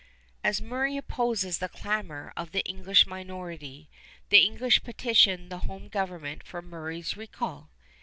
As Murray opposes the clamor of the English minority, the English petition the home government for Murray's recall.